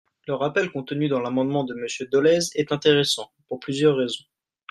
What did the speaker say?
Le rappel contenu dans l’amendement de Monsieur Dolez est intéressant, pour plusieurs raisons.